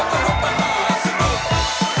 สวัสดีครับ